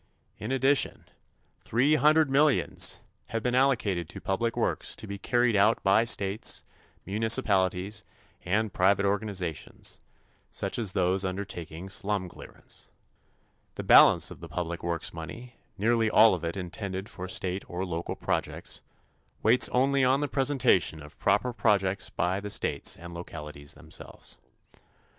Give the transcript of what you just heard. In addition, three hundred millions have been allocated to public works to be carried out by states, municipalities and private organizations, such as those undertaking slum clearance. The balance of the public works money, nearly all of it intended for state or local projects, waits only on the presentation of proper projects by the states and localities themselves.